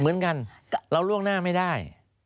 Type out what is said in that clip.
เหมือนกันเราล่วงหน้าไม่ได้